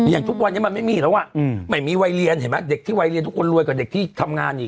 ทุกวันนี้มันไม่มีแล้วไม่มีวัยเรียนเห็นไหมเด็กที่วัยเรียนทุกคนรวยกว่าเด็กที่ทำงานอีก